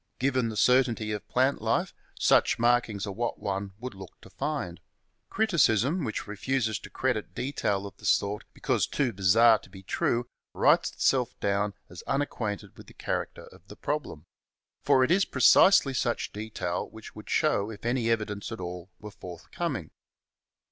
Given the certainty of plant life, such markings are what one would look to find. Criticism which refuses to credit detail of the sort because too bizarre to be true writes itself down as unacquainted with the character of the CHAP, xxx EVIDENCE 365 problem. For it is precisely such detail which should show if any evidence at all were forthcoming.